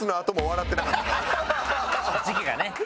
時期がね。